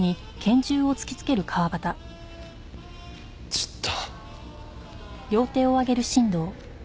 ちょっと。